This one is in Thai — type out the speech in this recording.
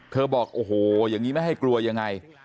บอกโอ้โหอย่างนี้ไม่ให้กลัวยังไง